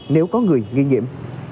nếu có người nghi nhiễm